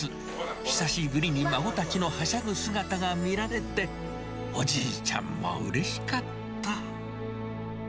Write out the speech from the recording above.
久しぶりに孫たちのはしゃぐ姿が見られて、おじいちゃんもうれしかった。